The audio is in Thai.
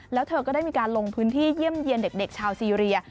แล้วเธอก็ได้มีการลงพื้นที่เยี่ยมเยี่ยนเด็กชาวซีเรีย